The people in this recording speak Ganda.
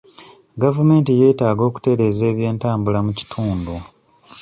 Gavumenti yeetaaga okutereeza ebyentambula mu kitundu.